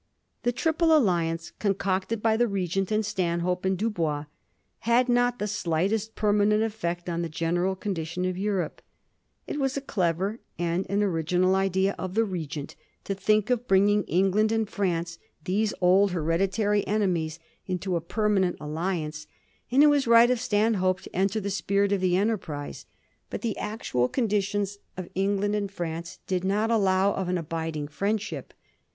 The triple alliance, concocted by the Regent and Stanhope and Dubois, had not the slightest permanent efiect on the general condition of Europe. It was a clever and an original idea of the Regent to think of bringing England and France, these old hereditary enemies, Digiti zed by Google 214 A HISTORY OF THE POUR GEORGES. ch. ix. into a permanent alliance, and it was right of Stan hope to enter into the spirit of the enterprise ; but the actual conditions of England and France did not allow of an abiding friendship.